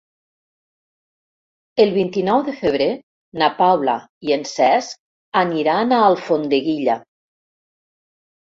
El vint-i-nou de febrer na Paula i en Cesc aniran a Alfondeguilla.